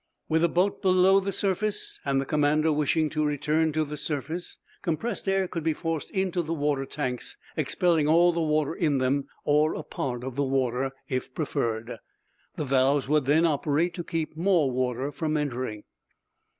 With the boat below the surface, and the commander wishing to return to the surface, compressed air could be forced into the water tanks, expelling all the water in them, or a part of the water, if preferred. The valves would then operate to keep more water from entering.